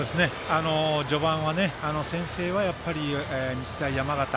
序盤は先制は日大山形。